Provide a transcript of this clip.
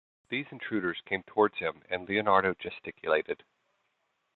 These intruders came towards him and Leonardo gesticulated.